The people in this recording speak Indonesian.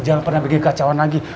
jangan pernah bikin kekacauan lagi